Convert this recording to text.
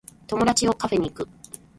友達をカフェに行く